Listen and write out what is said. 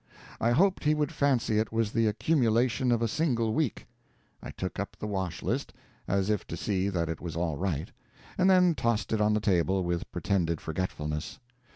I hoped he would fancy it was the accumulation of a single week. I took up the wash list, as if to see that it was all right, and then tossed it on the table, with pretended forgetfulness.